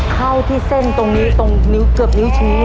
เข้าที่เส้นตรงนี้ตรงนิ้วเกือบนิ้วชี้